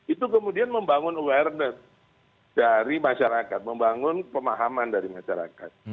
itu kemudian membangun awareness dari masyarakat membangun pemahaman dari masyarakat